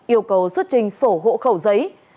yêu cầu xuất trình sổ hộ khẩu giấy